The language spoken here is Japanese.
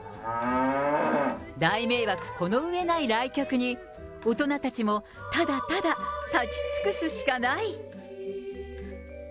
大迷惑この上ない来客に、大人たちもただただ、立ち尽くすしかない。